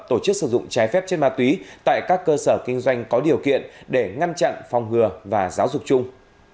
tổ chức sử dụng trái phép chất ma túy tại các cơ sở kinh doanh có điều kiện để ngăn chặn phòng ngừa và giáo dục chung